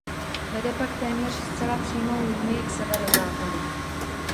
Vede pak téměř zcela přímou linií k severozápadu.